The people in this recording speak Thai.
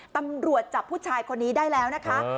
ตำรวจจับผู้ชายคนนี้ได้แล้วนะคะ